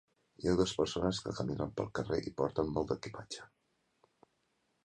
Hi ha dues persones que caminen pel carrer i porten molt d'equipatge.